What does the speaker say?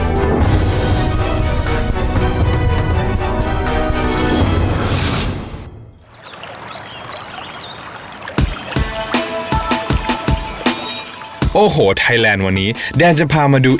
โอ้โหไทยแลนด์วันนี้เดนจะพามาดูอีกหนึ่งวิธีที่เราจะไปดูนะครับ